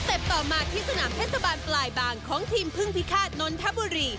ต่อมาที่สนามเทศบาลปลายบางของทีมพึ่งพิฆาตนนทบุรี